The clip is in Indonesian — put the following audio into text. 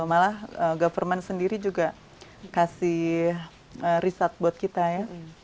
malah government sendiri juga kasih riset buat kita ya